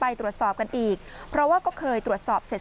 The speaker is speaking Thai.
ไปตรวจสอบกันอีกเพราะว่าก็เคยตรวจสอบเสร็จ